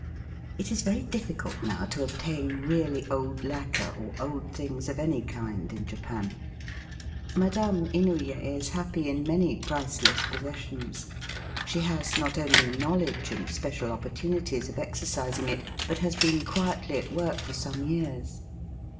It is very difficult now to obtain really old lacquer or old things of any kind in Japan. Madame Inouye is happy in many priceless possessions. She has not only knowledge and special opportunities of exercising it, but Digitized by VjOOQIC DINING AND CREMATING. 3 has been quietly at work for some years.